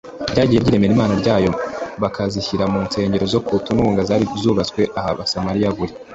Ryagiye ryiremera imana yaryo m bakazishyira mu nsengero zo ku tununga zari zarubatswe abasamariya buri